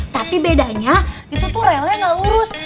tapi bedanya itu tuh relnya gak lurus